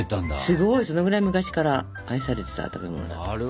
すごいそのくらい昔から愛されてた食べ物だったんだね。